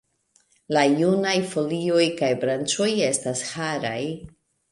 La junaj folioj kaj branĉoj estas haraj.